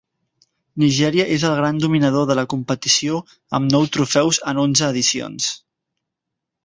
Nigèria és el gran dominador de la competició amb nou trofeus en onze edicions.